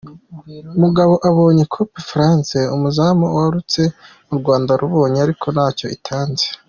Mugabo abonye coup Franc umuzamu arawurutse u Rwanda rubonye ariko ntacyo itanze.